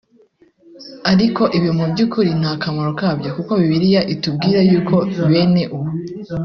Ariko ibi mu byukuri nta kamaro kabyo kuko Bibiliya itubwira yuko bene uwo